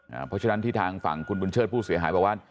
เพราะฉะนั้นที่ทางฝั่งคุณบุญเชิดผู้เสียหายบอกว่า